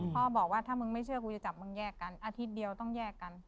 พ่อบอกว่าถ้ามึงไม่เชื่อกูจะจับมึงแยกกันอาทิตย์เดียวต้องแยกกัน